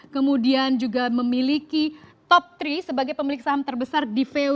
kemudian juga memiliki top tiga sebagai pemilik saham terbesar di voi